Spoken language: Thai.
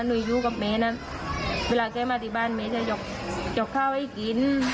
หนูอยู่กับแม่นะเวลาแกมาที่บ้านแม่จะยกข้าวให้กิน